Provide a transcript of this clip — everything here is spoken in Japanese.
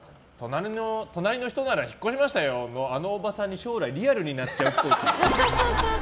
隣の人なら引っ越しましたよ！のあのおばさんに将来、リアルになっちゃうっぽい。